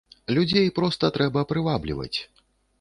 Людзей проста трэба прывабліваць.